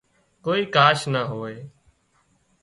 ڪوئي ڪاش نا هوئي